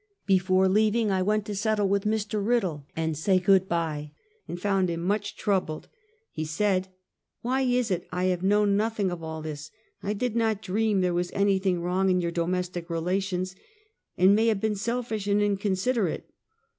Before leav ing, I went to settle with Mr. Piddle and say good bve, and found him much troubled. He said: "Why is it I have known nothing of all this? I did not dream there was anything wrong in your do mestic relations, and may have been selfish and incon siderate."